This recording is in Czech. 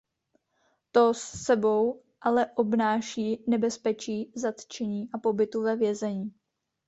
To s sebou ale obnáší nebezpečí zatčení a pobytu ve vězení.